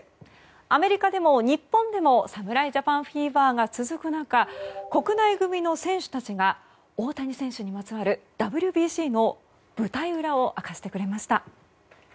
アメリカでも日本でも侍ジャパンフィーバーが続く中国内組の選手たちが大谷選手にまつわるＷＢＣの舞台裏を明かしてくれました。